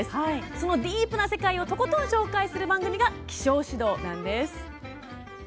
そのディープな世界をとことん紹介するのが「希少誌道」なんです。